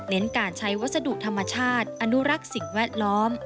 การใช้วัสดุธรรมชาติอนุรักษ์สิ่งแวดล้อม